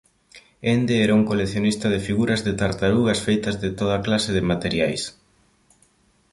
Ende era un coleccionista de figuras de tartarugas feitas de toda clase de materiais.